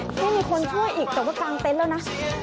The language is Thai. ช่วยมีคนช่วยอีกแต่ว่ากางเต็นต์แล้วนะ